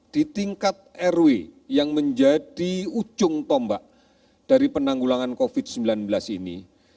di tingkat rw yang menjadi ujung tombak dari penanggulangan covid sembilan belas ini